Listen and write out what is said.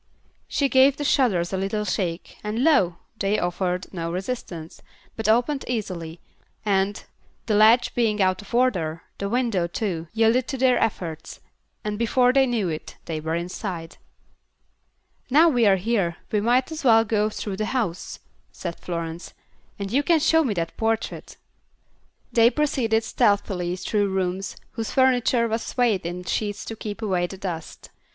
She gave the shutters a little shake and lo! they offered no resistance, but opened easily, and, the latch being out of order, the window, too, yielded to their efforts, and before they knew it, they were inside. "Now we're here, we might as well go through the house," said Florence. "And you can show me the portrait." They proceeded stealthily through rooms whose furniture was swathed in sheets to keep away the dust.